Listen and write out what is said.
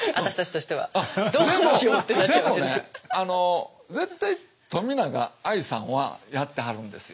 でもね絶対冨永愛さんはやってはるんですよ